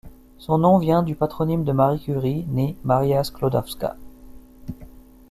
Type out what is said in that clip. Son nom vient du patronyme de Marie Curie, née Maria Sklodowska.